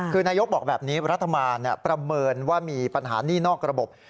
คือนายกบอกแบบนี้รัฐบาลประเมินว่ามีปัญหาหนี้นอกระบบ